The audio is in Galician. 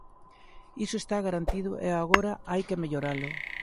Iso está garantido e agora hai que melloralo.